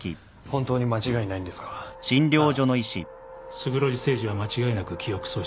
勝呂寺誠司は間違いなく記憶喪失だ。